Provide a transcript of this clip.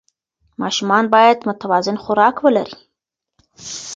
ماشومان باید متوازن خوراک ولري.